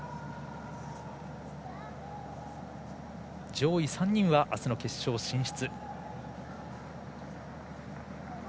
上位３人は、あすの決勝進出。